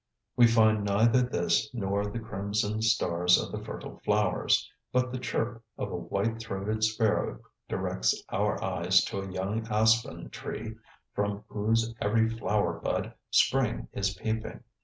We find neither this nor the crimson stars of the fertile flowers, but the chirp of a white throated sparrow directs our eyes to a young aspen tree from whose every flower bud spring is peeping.